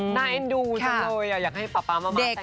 หน้าเอ็นดูซะเลยอะอยากให้ป๊าป๊ามัมมี่แต่งงานกัน